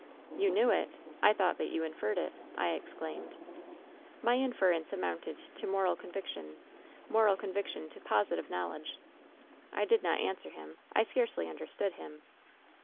"^ You knew it ! I thought that you inferred it !' I exclaimed. " ^My inference amounted to moral conviction ; moral conviction to positive knowledge.' "I did not answer him. I scarcely understood him.